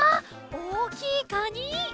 おおきいカニ！